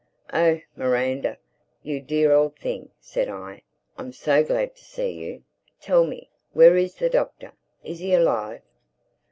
"Oh, Miranda, you dear old thing," said I, "I'm so glad to see you. Tell me, where is the Doctor? Is he alive?"